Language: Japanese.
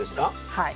はい。